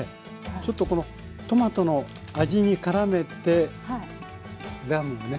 ちょっとこのトマトの味にからめてラムをね。